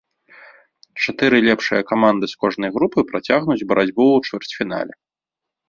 Чатыры лепшыя каманды з кожнай групы працягнуць барацьбу ў чвэрцьфінале.